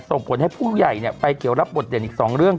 ส่งผลให้ผู้ใหญ่ไปรับบทเหดอีกสองเรื่อง